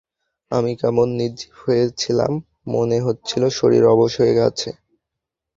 আমি কেমন নির্জীব হয়ে ছিলাম, মনে হচ্ছিল শরীর অবশ হয়ে আছে।